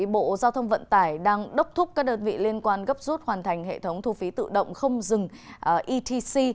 bộ giao thông vận tải đang đốc thúc các đợt vị liên quan gấp rút hoàn thành hệ thống thu phí tự động không dừng etc